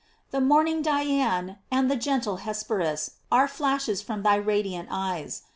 The morning Dian and the gentle Hesperus are flashes from thy radiant eyes.